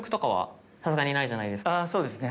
そうですね。